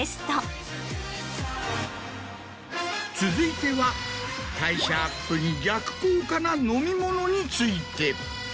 続いては代謝アップに逆効果な飲み物について。